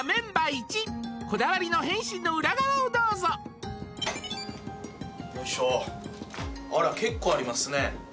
１こだわりの変身の裏側をどうぞよいしょあら結構ありますね